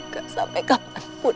gak sampai kapanpun